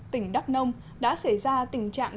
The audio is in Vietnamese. tỉnh đắk nông đã xảy ra tình trạng